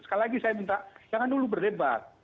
sekali lagi saya minta jangan dulu berdebat